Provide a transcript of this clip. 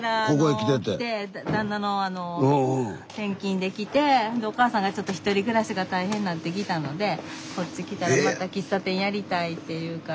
でお母さんがちょっと１人暮らしが大変なってきたのでこっち来たらまた喫茶店やりたいって言うから。